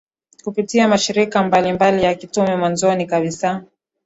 kupitia mashirika mablimbali ya kitume Mwanzoni kabisa